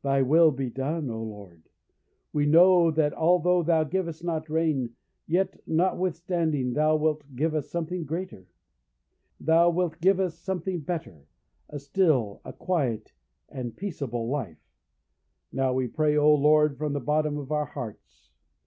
'Thy will be done,' O Lord! we know that although thou givest not rain, yet, notwithstanding, thou wilt give us something better, a still, a quiet, and a peaceable life. Now we pray, O Lord, from the bottom of our hearts.